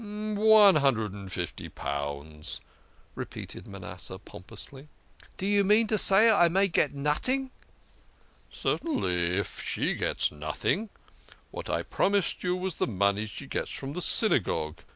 A hundred and fifty pounds," repeated Manasseh pom pously. " D'you mean to say I may get noting? "" Certainly, if she gets nothing. What I promised you was the money she gets from the Synagogue.